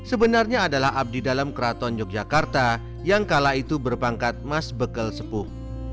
sebenarnya adalah abdi dalam keraton yogyakarta yang kala itu berpangkat mas bekal sepuh